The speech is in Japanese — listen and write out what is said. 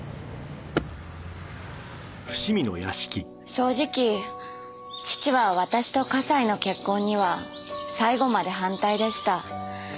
正直父は私と笠井の結婚には最後まで反対でした。